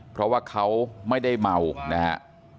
เพราะว่าเขาไม่ได้เมานะครับ